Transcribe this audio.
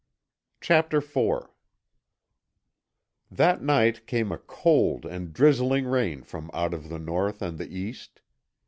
CHAPTER FOUR That night came a cold and drizzling rain from out of the north and the east.